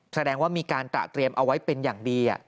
แสดงว่ามีการตระเตรียมเอาไว้เป็นอย่างดี